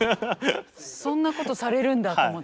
そんなことされるんだと思って。